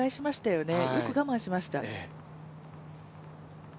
よく我慢しました。